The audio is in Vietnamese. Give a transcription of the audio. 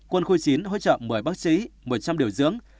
quân khu chín hỗ trợ một mươi bác sĩ một trăm linh điều dưỡng